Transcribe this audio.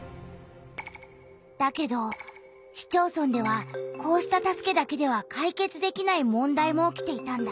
だけど市町村ではこうした助けだけでは解決できない問題も起きていたんだ。